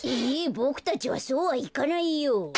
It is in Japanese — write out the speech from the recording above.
ボクたちはそうはいかないよ。